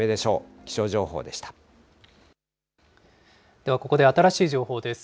ではここで新しい情報です。